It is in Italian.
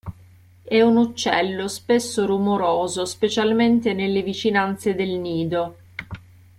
È un uccello spesso rumoroso, specialmente nelle vicinanze del nido.